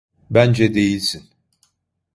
Bence değilsin.